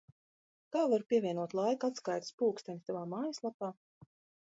Kā varu pievienot laika atskaites pulksteni savā mājaslapā?